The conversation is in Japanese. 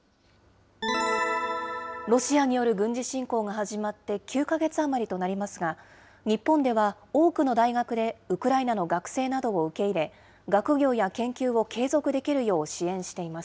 ロシアによる軍事侵攻が始まって９か月余りとなりますが、日本では多くの大学でウクライナの学生などを受け入れ、学業や研究を継続できるよう支援しています。